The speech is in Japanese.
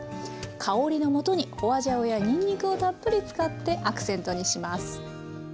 香りのもとに花椒やにんにくをたっぷり使ってアクセントにします。